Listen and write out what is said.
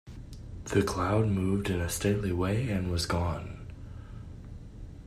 The cloud moved in a stately way and was gone.